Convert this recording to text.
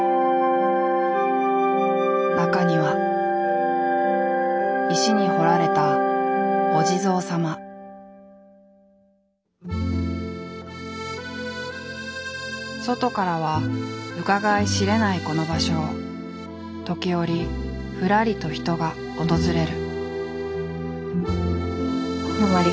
中には石に彫られた外からはうかがい知れないこの場所を時折ふらりと人が訪れる。